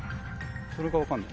それが分かんないな。